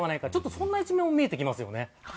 そんな一面も見えてきます。